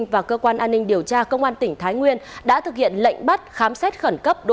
và cơ quan an ninh điều tra công an tỉnh thái nguyên đã thực hiện lệnh bắt khám xét khẩn cấp